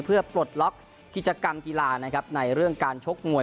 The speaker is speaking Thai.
เพื่อปลดล็อกกิจกรรมกีฬานะครับในเรื่องการชกมวย